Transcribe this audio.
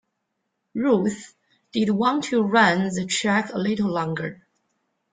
Ruth did want to run the track a little longer.